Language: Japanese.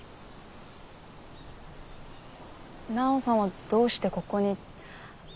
奈央さんはどうしてここに。